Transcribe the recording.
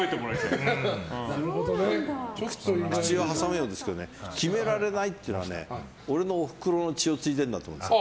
口を挟むようですけど決められないっていうのは俺のおふくろの血を継いでるんだと思います。